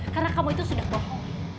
karena kamu itu sudah bohong